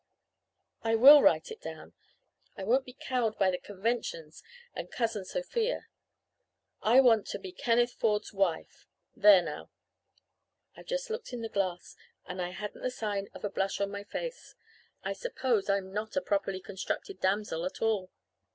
"I will write it down. I won't be cowed by the conventions and Cousin Sophia! I want to be Kenneth Ford's wife! There now! "I've just looked in the glass, and I hadn't the sign of a blush on my face. I suppose I'm not a properly constructed damsel at all.